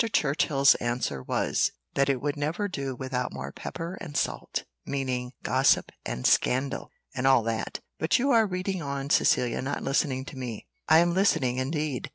Churchill's answer was, that it would never do without more pepper and salt, meaning gossip and scandal, and all that. But you are reading on, Cecilia, not listening to me." "I am listening, indeed."